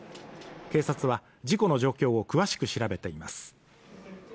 警察は事故の状況を詳しく調べています。